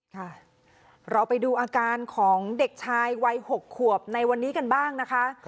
ค่ะเราไปดูอาการของเด็กชายวัย๖ขวบในวันนี้กันบ้างนะคะ